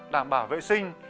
đảm bảo vệ sinh